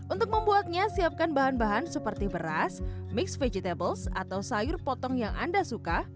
untuk membuatnya siapkan bahan bahan seperti beras mix vegetables atau sayur potong yang anda suka